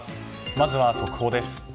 まずは速報です。